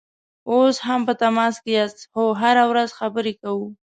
اوس هم په تماس کې یاست؟ هو، هره ورځ خبرې کوو